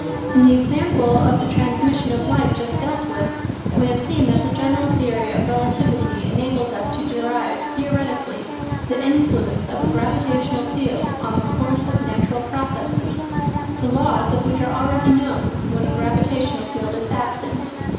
In the example of the transmission of light just dealt with, we have seen that the general theory of relativity enables us to derive theoretically the influence of a gravitational field on the course of natural processes, the Iaws of which are already known when a gravitational field is absent.